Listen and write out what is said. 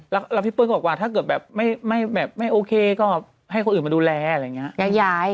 แล้วพี่เปิ้ลบอกว่าถ้าเกิดแบบไม่โอเคก็ให้คนอื่นมาดูแลอะไรอย่างนี้